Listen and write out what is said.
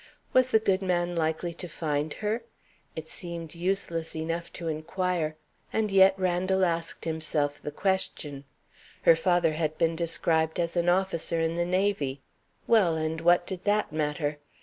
Was the good man likely to find her? It seemed useless enough to inquire and yet Randal asked himself the question. Her father had been described as an officer in the Navy. Well, and what did that matter?